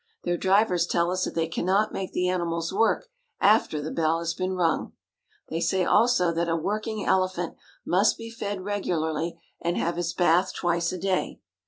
Their drivers tell us that they cannot make the animals work after the bell has been rung. They say also that a working elephant must be fed " He must have his bath " regularly and have his bath twice a day.